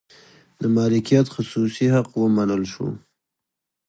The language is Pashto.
د مالکیت خصوصي حق ومنل شو.